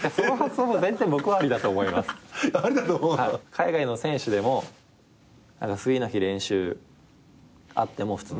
海外の選手でも次の日練習あっても普通に朝とか。